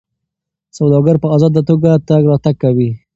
سوداګر په ازاده توګه تګ راتګ کوي.